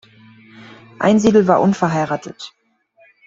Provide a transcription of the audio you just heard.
Einsiedel war unverheiratet.